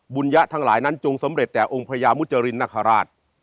ยะทั้งหลายนั้นจงสำเร็จแต่องค์พญามุจรินนาคาราช